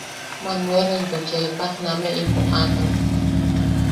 Manueela into Chepa nameʼe im joʼakan.